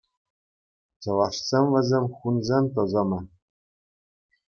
Чӑвашсем вӗсем хунсен тӑсӑмӗ.